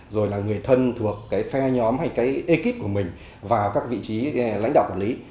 rồi là người thân thuộc cái phe nhóm hay cái ekip của mình vào các vị trí lãnh đạo quản lý